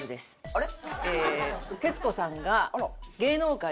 あれ？